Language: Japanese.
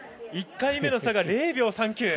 １回目の差が０秒３９。